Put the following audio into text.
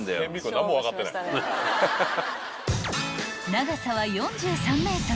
［長さは４３ｍ］